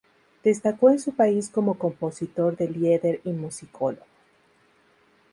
Destacó en su país como compositor de lieder y musicólogo.